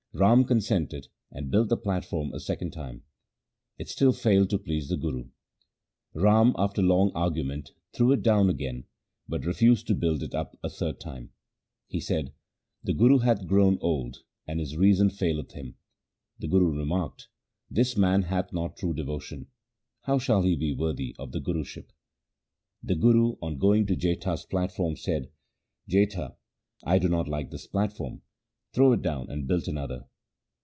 Rama consented and built the platform a second time. It still failed to please the Guru. Rama after long argument, threw it down again, but refused to build it up a third time. He said, ' The Guru hath grown old and his reason faileth him.' The Guru remarked, ' This man hath not true devotion ; how shall he be worthy of the Guruship ?' The Guru, on going to Jetha's platform, said, ' Jetha, I do not like this platform. Throw it down and build another.'